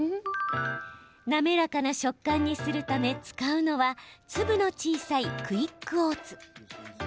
滑らかな食感にするため使うのは粒の小さいクイックオーツ。